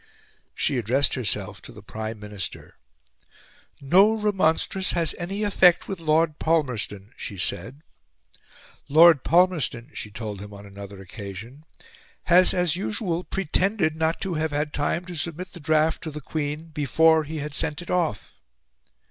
She addressed herself to the Prime Minister. "No remonstrance has any effect with Lord Palmerston," she said. "Lord Palmerston," she told him on another occasion, "has as usual pretended not to have had time to submit the draft to the Queen before he had sent it off."